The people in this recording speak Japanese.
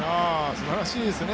すばらしいですね。